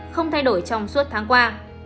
không thay đổi trong suốt tháng qua